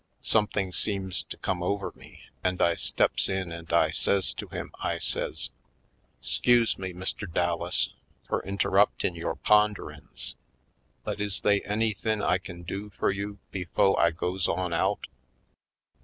Something seems to come over me and I steps in and I says to him, I says: " 'Scuse me, Mr. Dallas, fur interruptin* yore ponderin's, but is they anythin' I kin do fur you befo' I goes on out?"